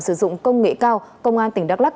sử dụng công nghệ cao công an tỉnh đắk lắc